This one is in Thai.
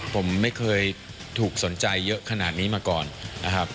ผมไม่เคยถูกสนใจเยอะขนาดนี้มาก่อนนะครับ